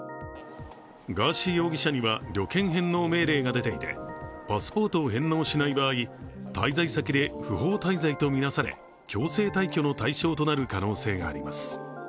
ガーシー容疑者には旅券返納命令が出ていてパスポートを返納しない場合滞在先で不法滞在とみなされ強制退去の対象となる可能性があります。